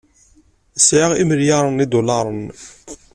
Sɛiɣ imelyaren n yidularen.